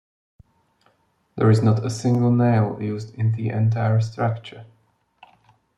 There is not a single nail used in the entire structure.